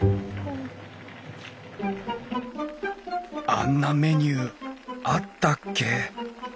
あんなメニューあったっけ？